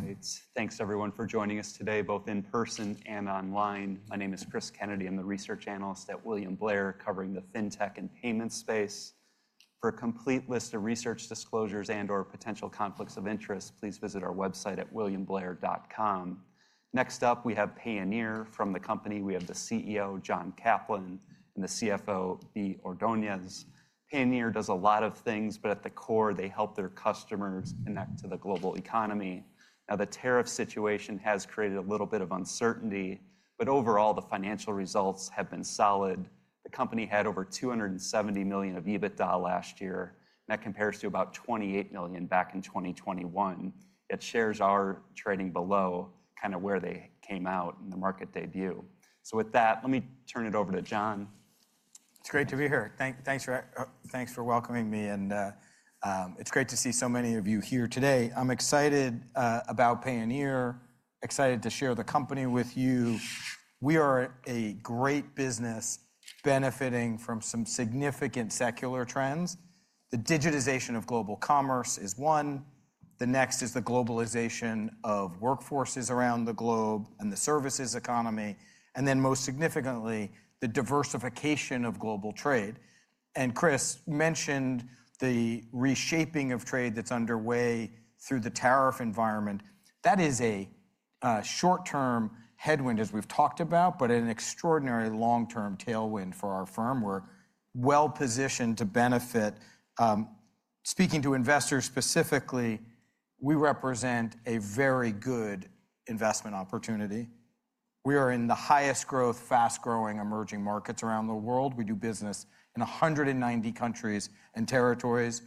All right. Thanks, everyone, for joining us today, both in person and online. My name is Chris Kennedy. I'm the research analyst at William Blair, covering the fintech and payments space. For a complete list of research disclosures and/or potential conflicts of interest, please visit our website at williamblair.com. Next up, we have Payoneer. From the company, we have the CEO, John Caplan, and the CFO, Bea Ordonez. Payoneer does a lot of things, but at the core, they help their customers connect to the global economy. Now, the tariff situation has created a little bit of uncertainty, but overall, the financial results have been solid. The company had over $270 million of EBITDA last year, and that compares to about $28 million back in 2021. It shares are trading below kind of where they came out in the market debut. With that, let me turn it over to John. It's great to be here. Thanks for welcoming me, and it's great to see so many of you here today. I'm excited about Payoneer, excited to share the company with you. We are a great business benefiting from some significant secular trends. The digitization of global commerce is one. The next is the globalization of workforces around the globe and the services economy. Most significantly, the diversification of global trade. Chris mentioned the reshaping of trade that's underway through the tariff environment. That is a short-term headwind, as we've talked about, but an extraordinary long-term tailwind for our firm. We're well-positioned to benefit. Speaking to investors specifically, we represent a very good investment opportunity. We are in the highest growth, fast-growing emerging markets around the world. We do business in 190 countries and territories.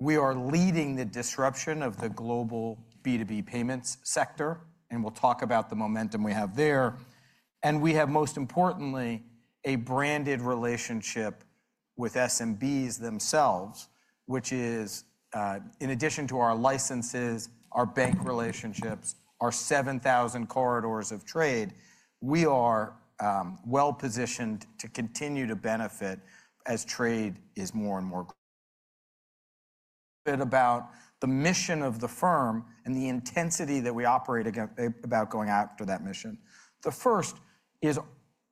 We are leading the disruption of the global B2B payments sector, and we will talk about the momentum we have there. We have, most importantly, a branded relationship with SMBs themselves, which is, in addition to our licenses, our bank relationships, our 7,000 corridors of trade, we are well-positioned to continue to benefit as trade is more and more growing. A bit about the mission of the firm and the intensity that we operate about going after that mission. The first is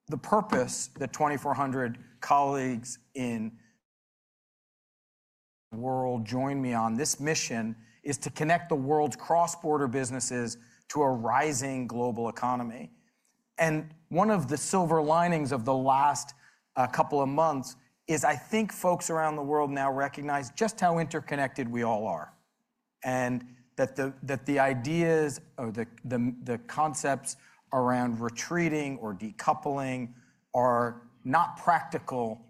the purpose that 2,400 colleagues in the world join me on. This mission is to connect the world's cross-border businesses to a rising global economy. One of the silver linings of the last couple of months is, I think, folks around the world now recognize just how interconnected we all are, and that the ideas or the concepts around retreating or decoupling are not practical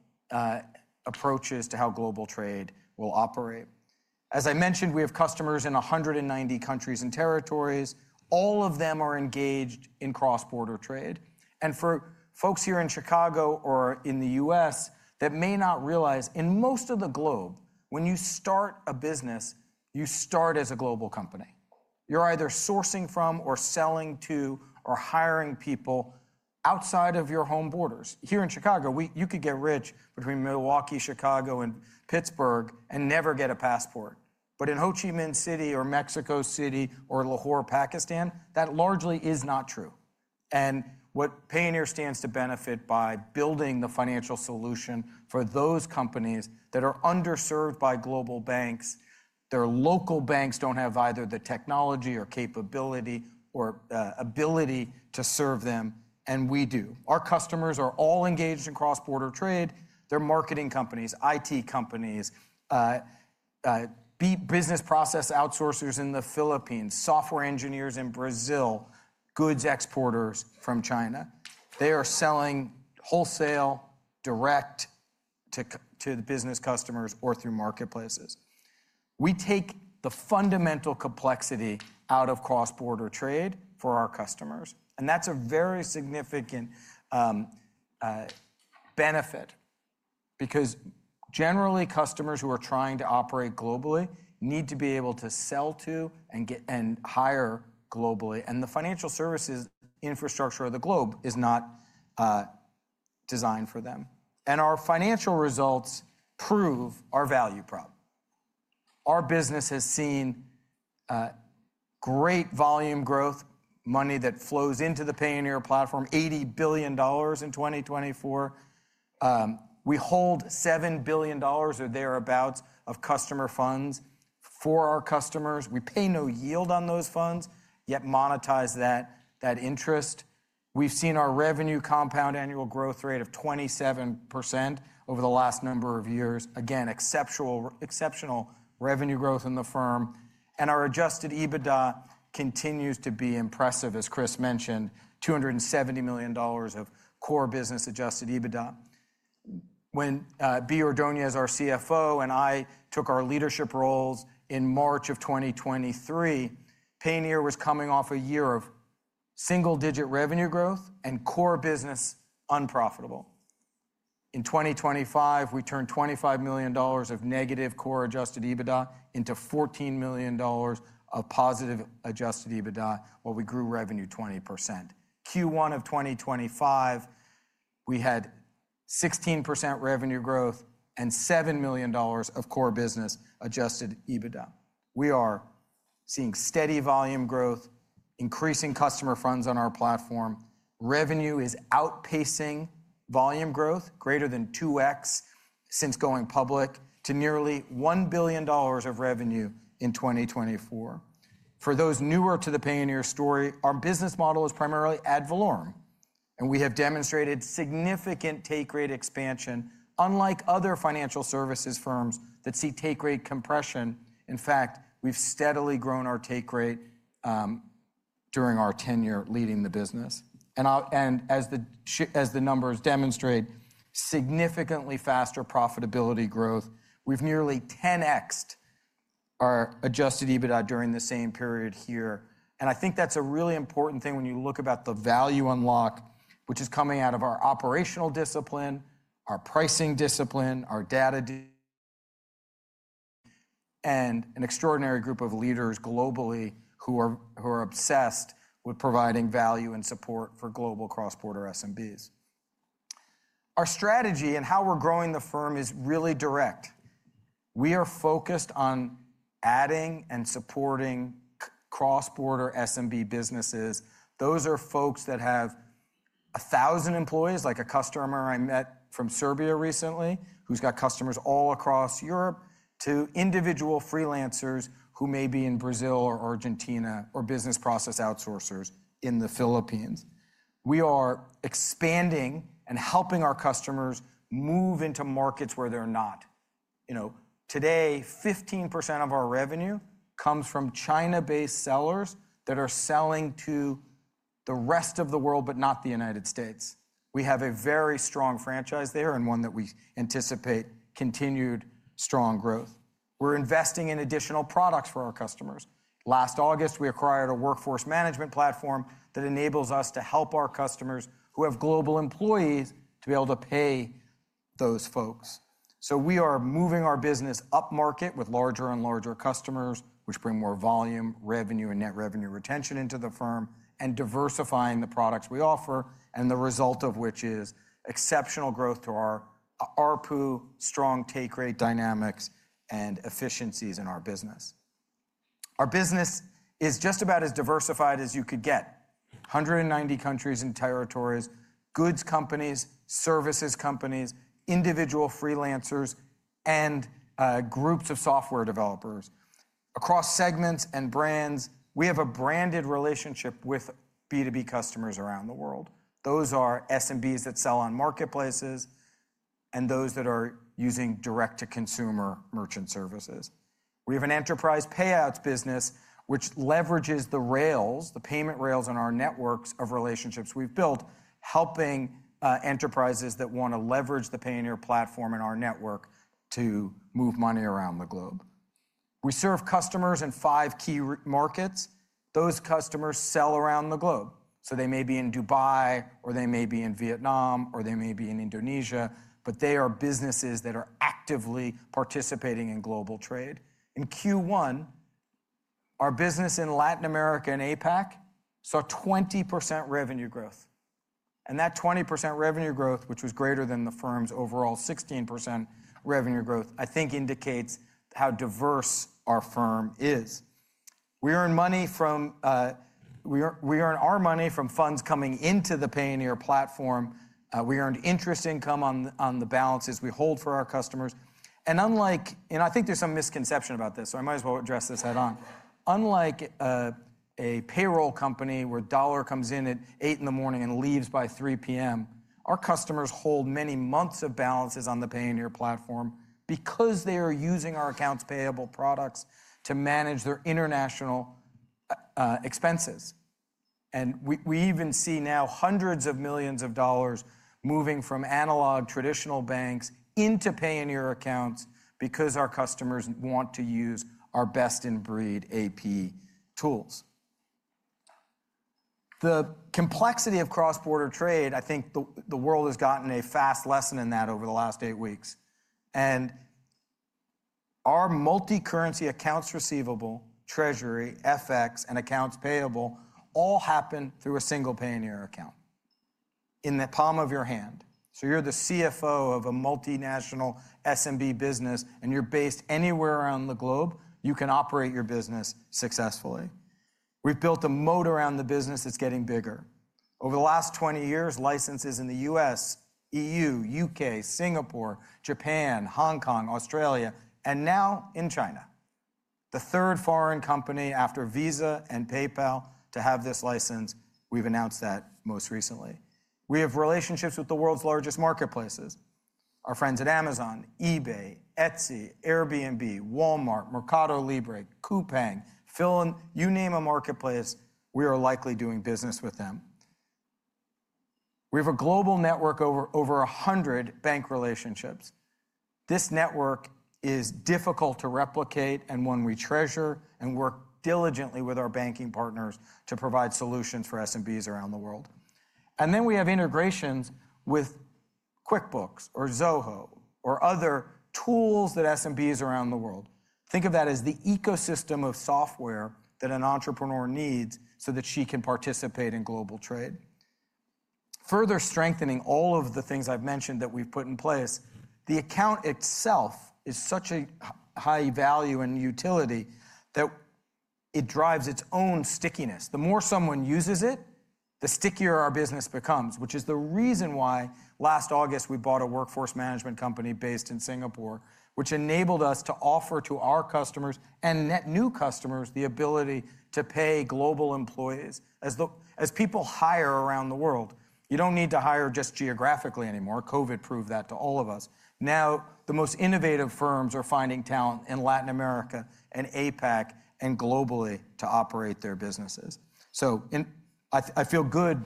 approaches to how global trade will operate. As I mentioned, we have customers in 190 countries and territories. All of them are engaged in cross-border trade. For folks here in Chicago or in the U.S., that may not realize, in most of the globe, when you start a business, you start as a global company. You're either sourcing from or selling to or hiring people outside of your home borders. Here in Chicago, you could get rich between Milwaukee, Chicago, and Pittsburgh and never get a passport. In Ho Chi Minh City or Mexico City or Lahore, Pakistan, that largely is not true. What Payoneer stands to benefit by building the financial solution for those companies that are underserved by global banks, their local banks do not have either the technology or capability or ability to serve them, and we do. Our customers are all engaged in cross-border trade. They are marketing companies, IT companies, business process outsourcers in the Philippines, software engineers in Brazil, goods exporters from China. They are selling wholesale, direct to the business customers or through marketplaces. We take the fundamental complexity out of cross-border trade for our customers, and that is a very significant benefit because, generally, customers who are trying to operate globally need to be able to sell to and hire globally. The financial services infrastructure of the globe is not designed for them. Our financial results prove our value prop. Our business has seen great volume growth, money that flows into the Payoneer platform, $80 billion in 2024. We hold $7 billion or thereabouts of customer funds for our customers. We pay no yield on those funds, yet monetize that interest. We've seen our revenue compound annual growth rate of 27% over the last number of years. Again, exceptional revenue growth in the firm. Our adjusted EBITDA continues to be impressive, as Chris mentioned, $270 million of core business adjusted EBITDA. When Bea Ordonez, our CFO, and I took our leadership roles in March of 2023, Payoneer was coming off a year of single-digit revenue growth and core business unprofitable. In 2025, we turned $25 million of negative core adjusted EBITDA into $14 million of positive adjusted EBITDA, where we grew revenue 20%. Q1 of 2025, we had 16% revenue growth and $7 million of core business adjusted EBITDA. We are seeing steady volume growth, increasing customer funds on our platform. Revenue is outpacing volume growth, greater than 2x since going public, to nearly $1 billion of revenue in 2024. For those newer to the Payoneer story, our business model is primarily ad valorem, and we have demonstrated significant take-rate expansion, unlike other financial services firms that see take-rate compression. In fact, we have steadily grown our take-rate during our tenure leading the business. As the numbers demonstrate, significantly faster profitability growth. We have nearly 10x'd our adjusted EBITDA during the same period here. I think that is a really important thing when you look about the value unlock, which is coming out of our operational discipline, our pricing discipline, our data discipline, and an extraordinary group of leaders globally who are obsessed with providing value and support for global cross-border SMBs. Our strategy and how we're growing the firm is really direct. We are focused on adding and supporting cross-border SMB businesses. Those are folks that have 1,000 employees, like a customer I met from Serbia recently who's got customers all across Europe, to individual freelancers who may be in Brazil or Argentina or business process outsourcers in the Philippines. We are expanding and helping our customers move into markets where they're not. Today, 15% of our revenue comes from China-based sellers that are selling to the rest of the world, but not the United States. We have a very strong franchise there and one that we anticipate continued strong growth. We're investing in additional products for our customers. Last August, we acquired a workforce management platform that enables us to help our customers who have global employees to be able to pay those folks. We are moving our business upmarket with larger and larger customers, which bring more volume, revenue, and net revenue retention into the firm, and diversifying the products we offer, and the result of which is exceptional growth to our ARPU, strong take-rate dynamics, and efficiencies in our business. Our business is just about as diversified as you could get: 190 countries and territories, goods companies, services companies, individual freelancers, and groups of software developers. Across segments and brands, we have a branded relationship with B2B customers around the world. Those are SMBs that sell on marketplaces and those that are using direct-to-consumer merchant services. We have an enterprise payouts business, which leverages the rails, the payment rails in our networks of relationships we have built, helping enterprises that want to leverage the Payoneer platform in our network to move money around the globe. We serve customers in five key markets. Those customers sell around the globe. They may be in Dubai, or they may be in Vietnam, or they may be in Indonesia, but they are businesses that are actively participating in global trade. In Q1, our business in Latin America and APAC saw 20% revenue growth. That 20% revenue growth, which was greater than the firm's overall 16% revenue growth, I think indicates how diverse our firm is. We earn our money from funds coming into the Payoneer platform. We earn interest income on the balances we hold for our customers. I think there's some misconception about this, so I might as well address this head-on. Unlike a payroll company where $1 comes in at 8:00 A.M. and leaves by 3:00 P.M., our customers hold many months of balances on the Payoneer platform because they are using our accounts payable products to manage their international expenses. We even see now hundreds of millions of dollars moving from analog traditional banks into Payoneer accounts because our customers want to use our best-in-breed AP tools. The complexity of cross-border trade, I think the world has gotten a fast lesson in that over the last eight weeks. Our multi-currency accounts receivable, treasury, FX, and accounts payable all happen through a single Payoneer account in the palm of your hand. If you are the CFO of a multinational SMB business, and you are based anywhere around the globe, you can operate your business successfully. We have built a moat around the business that is getting bigger. Over the last 20 years, licenses in the U.S., EU, U.K., Singapore, Japan, Hong Kong, Australia, and now in China, the third foreign company after Visa and PayPal to have this license, we have announced that most recently. We have relationships with the world's largest marketplaces: our friends at Amazon, eBay, Etsy, Airbnb, Walmart, Mercado Libre, Coupang, you name a marketplace, we are likely doing business with them. We have a global network of over 100 bank relationships. This network is difficult to replicate and one we treasure and work diligently with our banking partners to provide solutions for SMBs around the world. We have integrations with QuickBooks or Zoho or other tools that SMBs around the world use. Think of that as the ecosystem of software that an entrepreneur needs so that she can participate in global trade. Further strengthening all of the things I've mentioned that we've put in place, the account itself is such a high value and utility that it drives its own stickiness. The more someone uses it, the stickier our business becomes, which is the reason why last August we bought a workforce management company based in Singapore, which enabled us to offer to our customers and net new customers the ability to pay global employees. As people hire around the world, you don't need to hire just geographically anymore. COVID proved that to all of us. Now, the most innovative firms are finding talent in Latin America and APAC and globally to operate their businesses. I feel good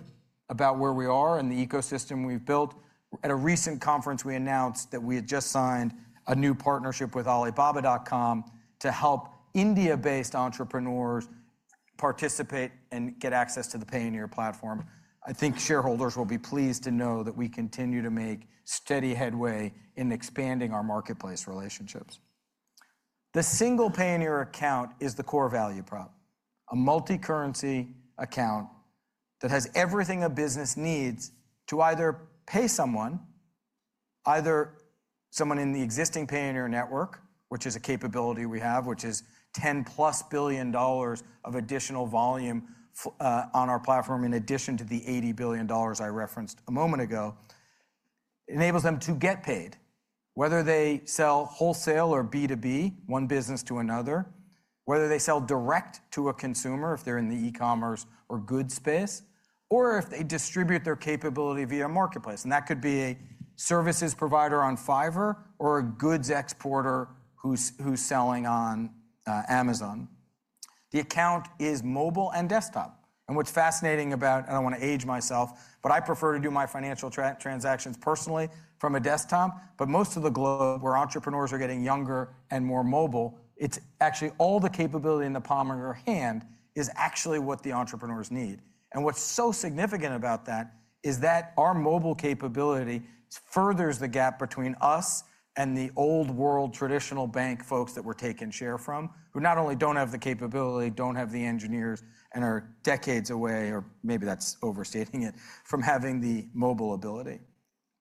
about where we are and the ecosystem we've built. At a recent conference, we announced that we had just signed a new partnership with Alibaba.com to help India-based entrepreneurs participate and get access to the Payoneer platform. I think shareholders will be pleased to know that we continue to make steady headway in expanding our marketplace relationships. The single Payoneer Account is the core value prop, a multi-currency account that has everything a business needs to either pay someone, either someone in the existing Payoneer network, which is a capability we have, which is $10 billion+ of additional volume on our platform in addition to the $80 billion I referenced a moment ago, enables them to get paid, whether they sell wholesale or B2B, one business to another, whether they sell direct to a consumer if they're in the e-commerce or goods space, or if they distribute their capability via marketplace. That could be a services provider on Fiverr or a goods exporter who's selling on Amazon. The account is mobile and desktop. What's fascinating about, and I don't want to age myself, but I prefer to do my financial transactions personally from a desktop. Most of the globe, where entrepreneurs are getting younger and more mobile, it's actually all the capability in the palm of your hand is actually what the entrepreneurs need. What's so significant about that is that our mobile capability furthers the gap between us and the old world traditional bank folks that we're taking share from, who not only don't have the capability, don't have the engineers, and are decades away, or maybe that's overstating it, from having the mobile ability.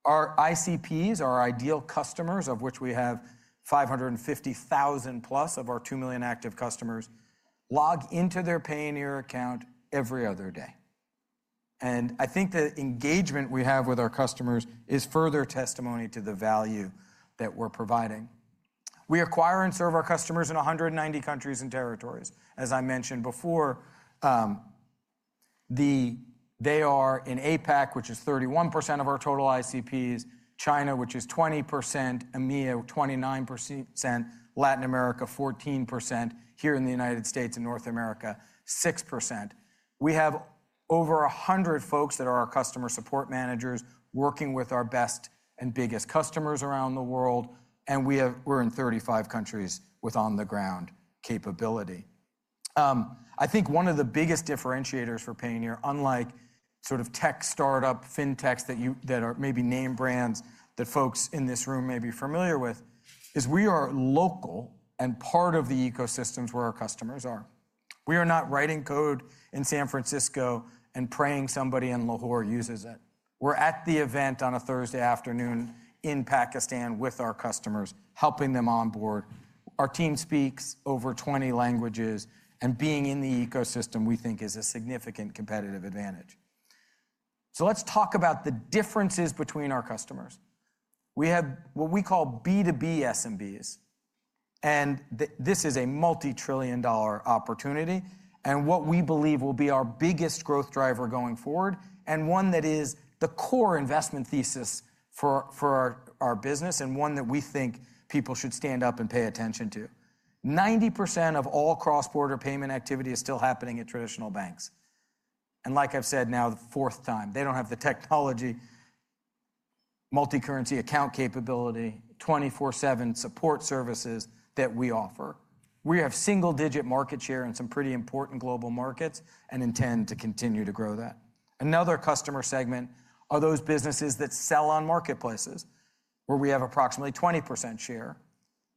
Our ICPs, our ideal customers, of which we have 550,000+ of our 2 million active customers, log into their Payoneer account every other day. I think the engagement we have with our customers is further testimony to the value that we're providing. We acquire and serve our customers in 190 countries and territories. As I mentioned before, they are in APAC, which is 31% of our total ICPs, China, which is 20%, EMEA, 29%, Latin America, 14%, here in the United States and North America, 6%. We have over 100 folks that are our customer support managers working with our best and biggest customers around the world, and we're in 35 countries with on-the-ground capability. I think one of the biggest differentiators for Payoneer, unlike sort of tech startup fintechs that are maybe name brands that folks in this room may be familiar with, is we are local and part of the ecosystems where our customers are. We are not writing code in San Francisco and praying somebody in Lahore uses it. We are at the event on a Thursday afternoon in Pakistan with our customers, helping them onboard. Our team speaks over 20 languages, and being in the ecosystem, we think, is a significant competitive advantage. Let's talk about the differences between our customers. We have what we call B2B SMBs, and this is a multi-trillion dollar opportunity and what we believe will be our biggest growth driver going forward and one that is the core investment thesis for our business and one that we think people should stand up and pay attention to. 90% of all cross-border payment activity is still happening at traditional banks. Like I've said now the fourth time, they do not have the technology, multi-currency account capability, 24/7 support services that we offer. We have single-digit market share in some pretty important global markets and intend to continue to grow that. Another customer segment are those businesses that sell on marketplaces where we have approximately 20% share.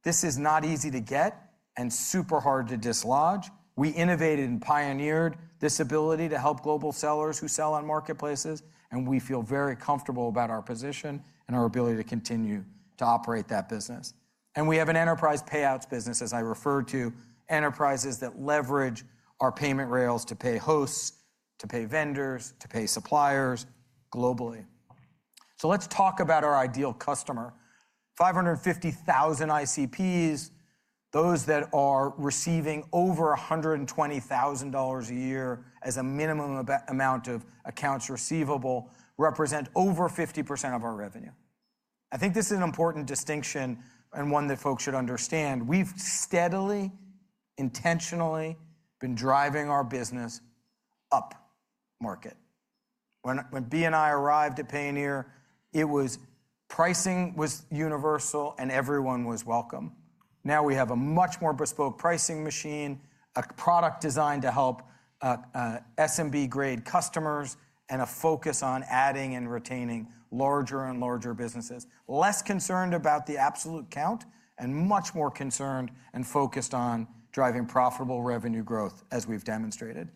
This is not easy to get and super hard to dislodge. We innovated and pioneered this ability to help global sellers who sell on marketplaces, and we feel very comfortable about our position and our ability to continue to operate that business. We have an enterprise payouts business, as I referred to, enterprises that leverage our payment rails to pay hosts, to pay vendors, to pay suppliers globally. Let's talk about our ideal customer: 550,000 ICPs, those that are receiving over $120,000 a year as a minimum amount of accounts receivable represent over 50% of our revenue. I think this is an important distinction and one that folks should understand. We've steadily, intentionally been driving our business upmarket. When Bea and I arrived at Payoneer, it was pricing was universal and everyone was welcome. Now we have a much more bespoke pricing machine, a product designed to help SMB-grade customers, and a focus on adding and retaining larger and larger businesses, less concerned about the absolute count and much more concerned and focused on driving profitable revenue growth, as we've demonstrated.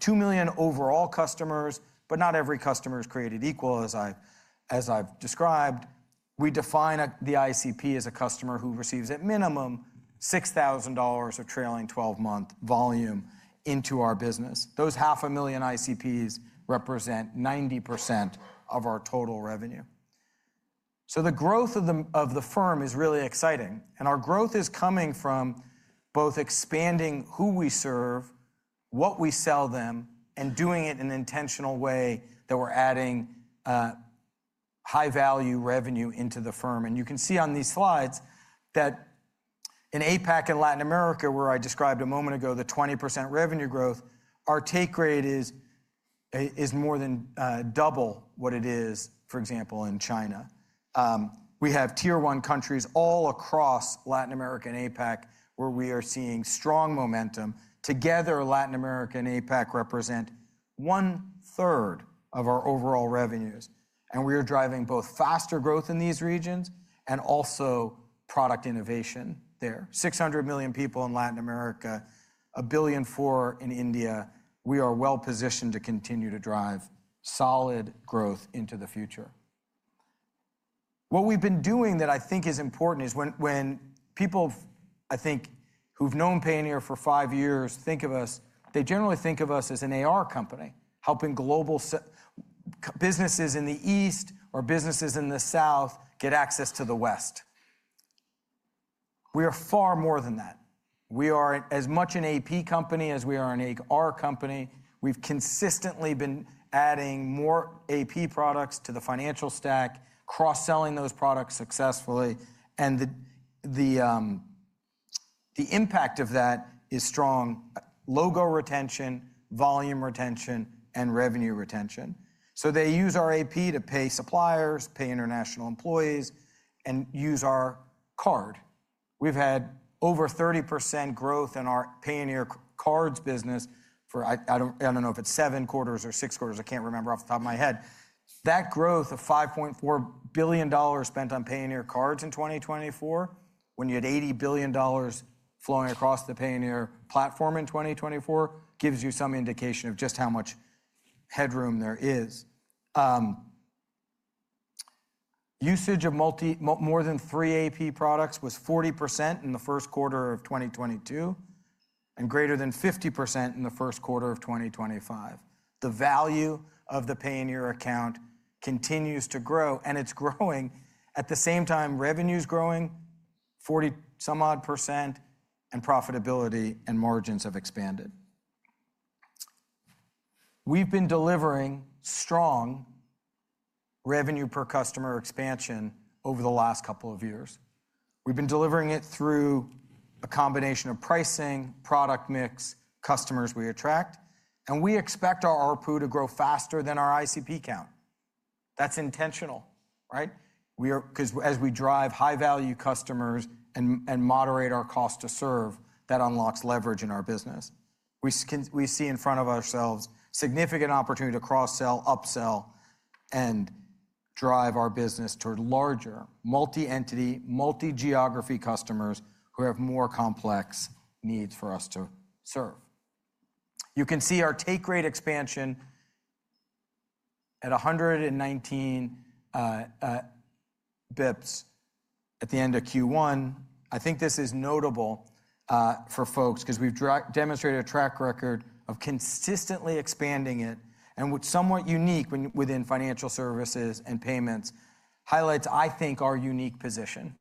2 million overall customers, but not every customer is created equal, as I've described. We define the ICP as a customer who receives at minimum $6,000 of trailing 12-month volume into our business. Those 500,000 ICPs represent 90% of our total revenue. The growth of the firm is really exciting, and our growth is coming from both expanding who we serve, what we sell them, and doing it in an intentional way that we are adding high-value revenue into the firm. You can see on these slides that in APAC and Latin America, where I described a moment ago the 20% revenue growth, our take rate is more than double what it is, for example, in China. We have tier-one countries all across Latin America and APAC where we are seeing strong momentum. Together, Latin America and APAC represent one-third of our overall revenues, and we are driving both faster growth in these regions and also product innovation there. 600 million people in Latin America, 1 billion in India. We are well-positioned to continue to drive solid growth into the future. What we've been doing that I think is important is when people, I think, who've known Payoneer for five years think of us, they generally think of us as an AR company helping global businesses in the East or businesses in the South get access to the West. We are far more than that. We are as much an AP company as we are an AR company. We've consistently been adding more AP products to the financial stack, cross-selling those products successfully, and the impact of that is strong: logo retention, volume retention, and revenue retention. They use our AP to pay suppliers, pay international employees, and use our card. We've had over 30% growth in our Payoneer cards business for, I don't know if it's seven quarters or six quarters, I can't remember off the top of my head. That growth of $5.4 billion spent on Payoneer cards in 2024, when you had $80 billion flowing across the Payoneer platform in 2024, gives you some indication of just how much headroom there is. Usage of more than three AP products was 40% in the first quarter of 2022 and greater than 50% in the first quarter of 2025. The value of the Payoneer account continues to grow, and it's growing. At the same time, revenue's growing 40-some odd percent, and profitability and margins have expanded. We've been delivering strong revenue-per-customer expansion over the last couple of years. We've been delivering it through a combination of pricing, product mix, customers we attract, and we expect our ARPU to grow faster than our ICP count. That's intentional, right? Because as we drive high-value customers and moderate our cost to serve, that unlocks leverage in our business. We see in front of ourselves significant opportunity to cross-sell, upsell, and drive our business toward larger, multi-entity, multi-geography customers who have more complex needs for us to serve. You can see our take rate expansion at 119 basis points at the end of Q1. I think this is notable for folks because we've demonstrated a track record of consistently expanding it, and what's somewhat unique within financial services and payments highlights, I think, our unique position.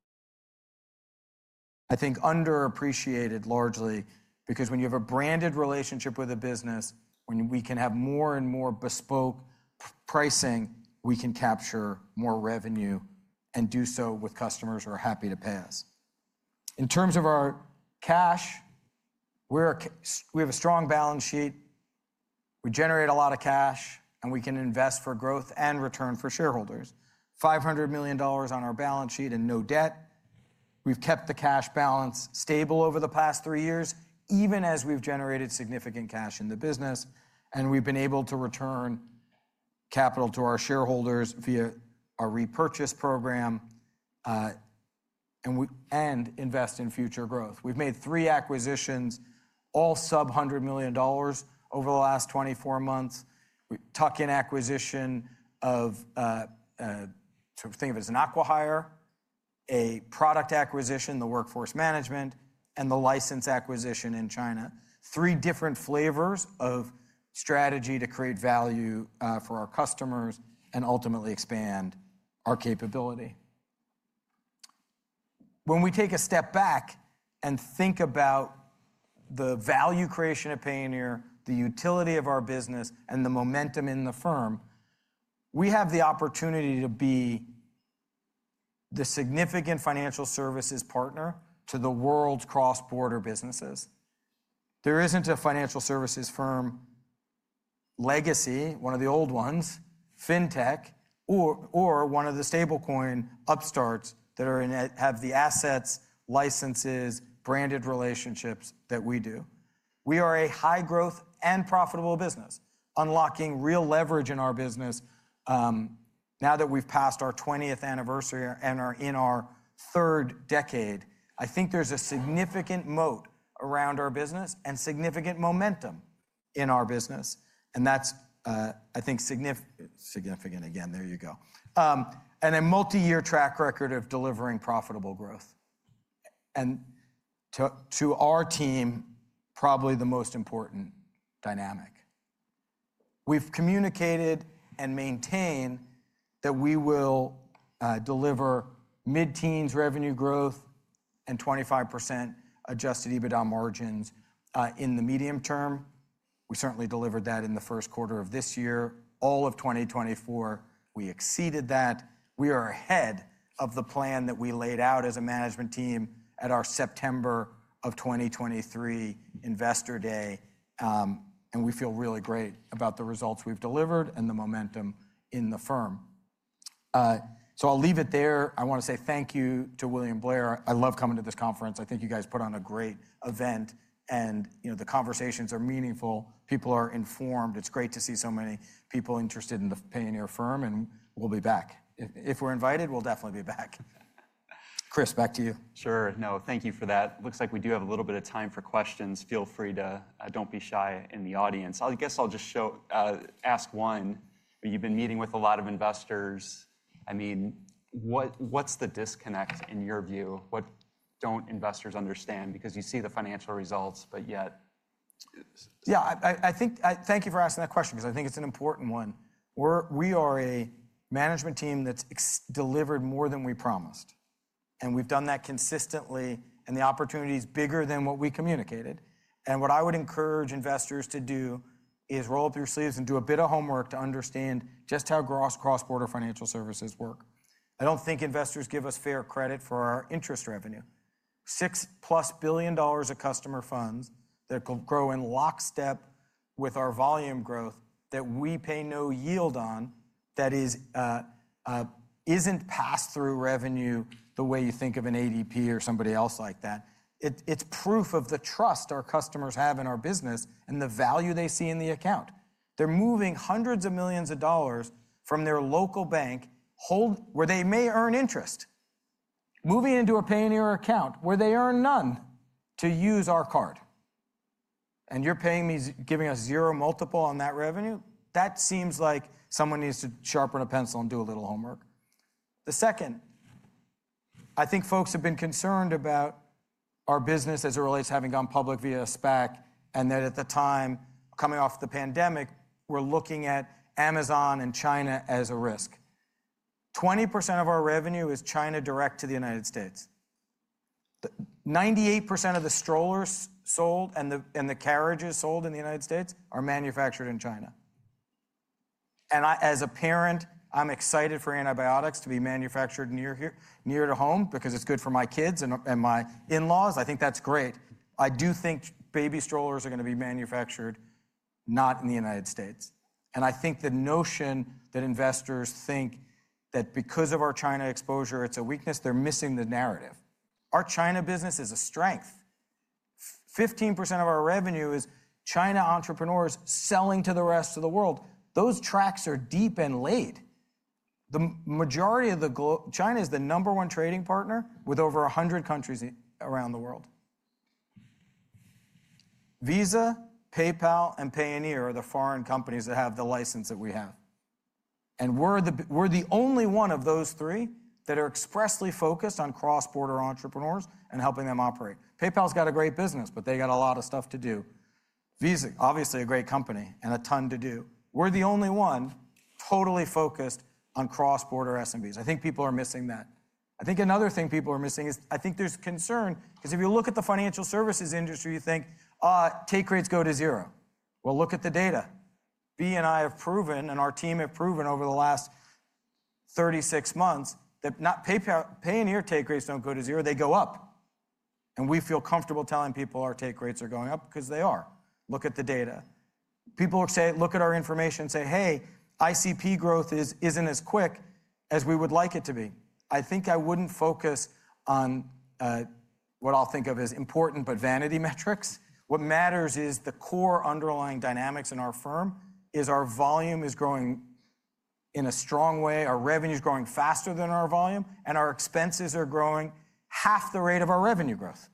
I think underappreciated largely because when you have a branded relationship with a business, when we can have more and more bespoke pricing, we can capture more revenue and do so with customers who are happy to pay us. In terms of our cash, we have a strong balance sheet. We generate a lot of cash, and we can invest for growth and return for shareholders: $500 million on our balance sheet and no debt. We have kept the cash balance stable over the past three years, even as we have generated significant cash in the business, and we have been able to return capital to our shareholders via our repurchase program and invest in future growth. We've made three acquisitions, all sub-$100 million over the last 24 months: tuck-in acquisition of sort of think of it as an aqua hire, a product acquisition, the workforce management, and the license acquisition in China. Three different flavors of strategy to create value for our customers and ultimately expand our capability. When we take a step back and think about the value creation of Payoneer, the utility of our business, and the momentum in the firm, we have the opportunity to be the significant financial services partner to the world's cross-border businesses. There isn't a financial services firm legacy, one of the old ones, fintech, or one of the stablecoin upstarts that have the assets, licenses, branded relationships that we do. We are a high-growth and profitable business, unlocking real leverage in our business now that we've passed our 20th anniversary and are in our third decade. I think there's a significant moat around our business and significant momentum in our business, and that's, I think, significant again. There you go. And a multi-year track record of delivering profitable growth. To our team, probably the most important dynamic. We've communicated and maintain that we will deliver mid-teens revenue growth and 25% adjusted EBITDA margins in the medium term. We certainly delivered that in the first quarter of this year. All of 2024, we exceeded that. We are ahead of the plan that we laid out as a management team at our September of 2023 Investor Day, and we feel really great about the results we've delivered and the momentum in the firm. I'll leave it there. I want to say thank you to William Blair. I love coming to this conference. I think you guys put on a great event, and the conversations are meaningful. People are informed. It's great to see so many people interested in the Payoneer firm, and we'll be back. If we're invited, we'll definitely be back. Chris, back to you. Sure. No, thank you for that. Looks like we do have a little bit of time for questions. Feel free to don't be shy in the audience. I guess I'll just ask one. You've been meeting with a lot of investors. I mean, what's the disconnect in your view? What don't investors understand? Because you see the financial results, but yet- Yeah, I think thank you for asking that question because I think it's an important one. We are a management team that's delivered more than we promised, and we've done that consistently, and the opportunity is bigger than what we communicated. What I would encourage investors to do is roll up your sleeves and do a bit of homework to understand just how cross-border financial services work. I do not think investors give us fair credit for our interest revenue. $6 billion+ of customer funds that grow in lockstep with our volume growth that we pay no yield on, that is not pass-through revenue the way you think of an ADP or somebody else like that. It is proof of the trust our customers have in our business and the value they see in the account. They are moving hundreds of millions of dollars from their local bank where they may earn interest, moving into a Payoneer account where they earn none to use our card. You are paying me, giving us zero multiple on that revenue? That seems like someone needs to sharpen a pencil and do a little homework. The second, I think folks have been concerned about our business as it relates to having gone public via SPAC and that at the time, coming off the pandemic, we were looking at Amazon and China as a risk. 20% of our revenue is China direct to the United States. 98% of the strollers sold and the carriages sold in the United States are manufactured in China. As a parent, I am excited for antibiotics to be manufactured near to home because it is good for my kids and my in-laws. I think that is great. I do think baby strollers are going to be manufactured not in the United States. I think the notion that investors think that because of our China exposure, it is a weakness, they are missing the narrative. Our China business is a strength. 15% of our revenue is China entrepreneurs selling to the rest of the world. Those tracks are deep and late. China is the number one trading partner with over 100 countries around the world. Visa, PayPal, and Payoneer are the foreign companies that have the license that we have. We are the only one of those three that are expressly focused on cross-border entrepreneurs and helping them operate. PayPal's got a great business, but they got a lot of stuff to do. Visa, obviously a great company and a ton to do. We are the only one totally focused on cross-border SMBs. I think people are missing that. I think another thing people are missing is I think there is concern because if you look at the financial services industry, you think, "Take rates go to zero." Look at the data. Bea and I have proven, and our team have proven over the last 36 months that Payoneer take rates do not go to zero. They go up. We feel comfortable telling people our take rates are going up because they are. Look at the data. People say, "Look at our information and say, 'Hey, ICP growth isn't as quick as we would like it to be.'" I think I wouldn't focus on what I'll think of as important but vanity metrics. What matters is the core underlying dynamics in our firm is our volume is growing in a strong way. Our revenue is growing faster than our volume, and our expenses are growing half the rate of our revenue growth.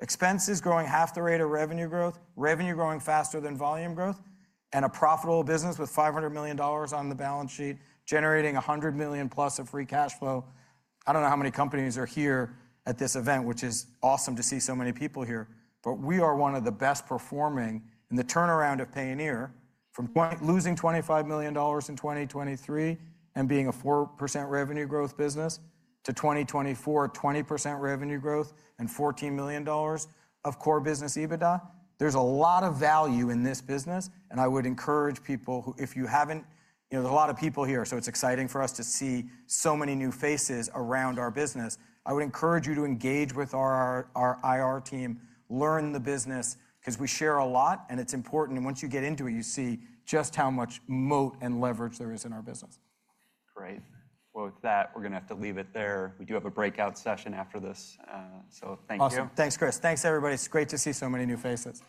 Expenses growing half the rate of revenue growth, revenue growing faster than volume growth, and a profitable business with $500 million on the balance sheet generating $100 million+ of free cash flow. I don't know how many companies are here at this event, which is awesome to see so many people here, but we are one of the best performing in the turnaround of Payoneer from losing $25 million in 2023 and being a 4% revenue growth business to 2024, 20% revenue growth and $14 million of core business EBITDA. There's a lot of value in this business, and I would encourage people who, if you haven't, there's a lot of people here, so it's exciting for us to see so many new faces around our business. I would encourage you to engage with our IR team, learn the business because we share a lot, and it's important. Once you get into it, you see just how much moat and leverage there is in our business. Great. With that, we're going to have to leave it there. We do have a breakout session after this. Thank you. Awesome. Thanks, Chris. Thanks, everybody. It's great to see so many new faces.